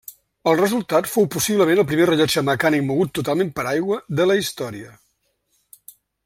El resultat fou possiblement el primer rellotge mecànic mogut totalment per aigua de la història.